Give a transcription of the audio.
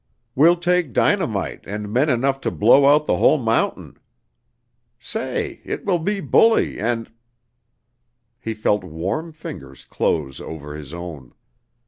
We'll take dynamite and men enough to blow out the whole mountain. Say, it will be bully and " He felt warm fingers close over his own.